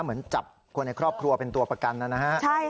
เหมือนจับคนในครอบครัวเป็นตัวประกันนะฮะ